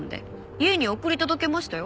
家に送り届けましたよ？